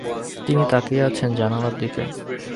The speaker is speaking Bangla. তিনি তাকিয়ে আছেন জানালার দিকে।